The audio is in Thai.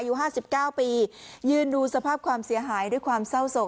ยูห้าสิบเก้าปียืนดูสภาพความเสียหายด้วยความเศร้าศก